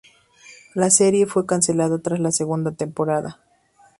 La serie fue cancelada tras la segunda temporada.